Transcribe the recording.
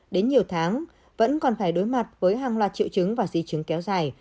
đến nhiều tháng vẫn còn phải đối mặt với hàng loạt triệu chứng và di chứng kéo dài